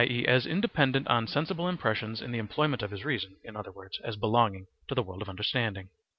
e., as independent on sensible impressions in the employment of his reason (in other words as belonging to the world of understanding).